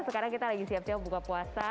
sekarang kita lagi siap siap buka puasa